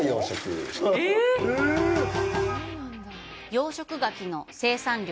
養殖牡蠣の生産量